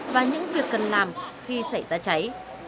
và những việc cần làm khi xảy ra cháy